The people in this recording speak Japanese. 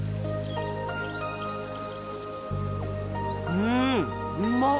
うんうまっ！